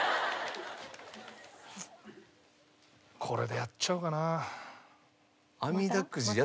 これでやっちゃうかな。